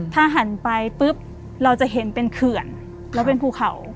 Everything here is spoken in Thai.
ถ้าหันไปปุ๊บเราจะเห็นเป็นเขื่อนแล้วเป็นภูเขา